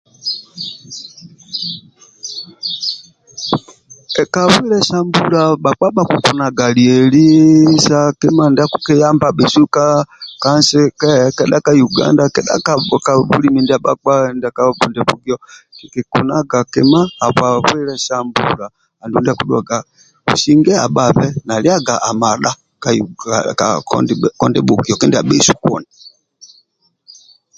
Ka bwile sa mbula bkapa bhakikunaga lieli sa kima ndia akikiyamba bhesu ka nsi kehe kedha ka uganda kedha ka bulimi ndia bhakpa ndia ka kitio-kitio kikikunaga kima habwa bwile sa mbula andulu ndia akidhuaga businge abhabe na liaga amadha ka uga kondibhugiyo kindia bhesu kuni